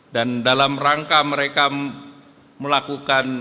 dan dalam rangka mereka melakukan